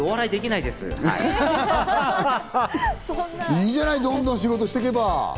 いいじゃない、どんどん仕事していけば。